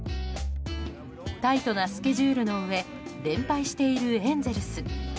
タイトなスケジュールのうえ連敗しているエンゼルス。